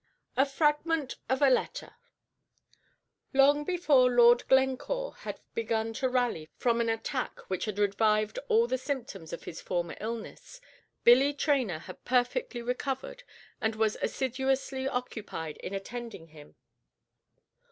A FRAGMENT OF A LETTER Long before Lord Glencore had begun to rally from an attack which had revived all the symptoms of his former illness, Billy Traynor had perfectly recovered, and was assiduously occupied in attending him.